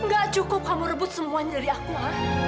gak cukup kamu rebut semua yang dari aku ah